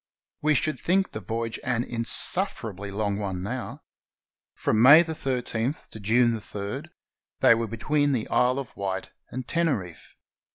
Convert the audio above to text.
We should think the voyage an insufferably long one now. From May 13 to June 3 they were between the Isle of Wight and Teneriffe.